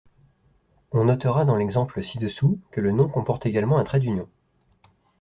On notera dans l'exemple ci-dessous que le nom comporte également un trait d'union.